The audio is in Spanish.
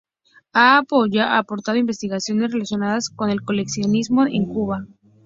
Ha aportado investigaciones relacionadas con el coleccionismo en Cuba.